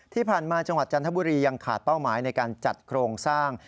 ที่ผ่านมาจังหวัดจันทบุรียังขาดเป้าหมายในการจัดโครงสร้าง